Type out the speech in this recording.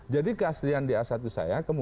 jadi keaslian db satu saya